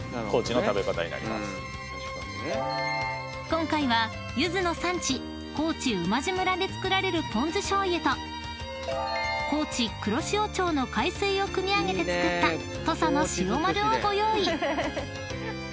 ［今回はゆずの産地高知馬路村で造られるぽん酢しょうゆと高知黒潮町の海水をくみ上げて作った土佐の塩丸をご用意］